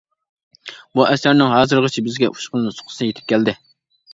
بۇ ئەسەرنىڭ ھازىرغىچە بىزگە ئۈچ خىل نۇسخىسى يېتىپ كەلدى.